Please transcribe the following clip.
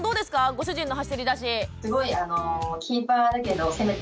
ご主人の走り出し。